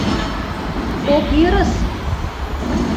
Ок йӧрыс!